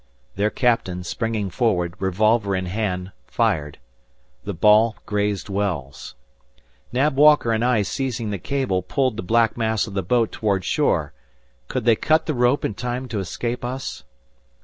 Their captain, springing forward, revolver in hand, fired. The ball grazed Wells. Nab Walker and I seizing the cable, pulled the black mass of the boat toward shore. Could they cut the rope in time to escape us?